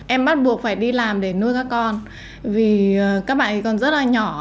em bắt buộc phải đi làm để nuôi các con vì các bạn còn rất là nhỏ